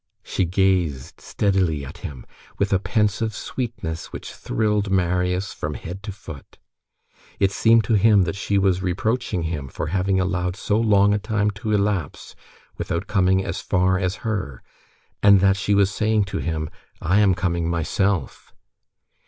She gazed steadily at him, with a pensive sweetness which thrilled Marius from head to foot. It seemed to him that she was reproaching him for having allowed so long a time to elapse without coming as far as her, and that she was saying to him: "I am coming myself."